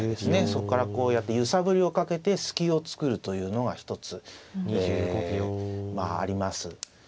そっからこうやって揺さぶりをかけて隙を作るというのが一つええまああります。